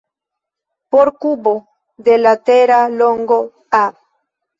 Por kubo de latera longo "a",